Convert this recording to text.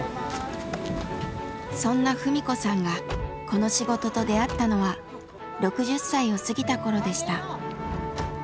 そんな文子さんがこの仕事と出会ったのは６０歳を過ぎた頃でした。